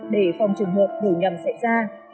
để phòng trường hợp đủ nhầm xảy ra